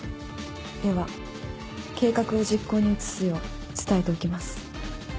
では計画を実行に移すよう伝えておきます。